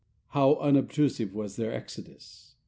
How unobtrusive was their exodus.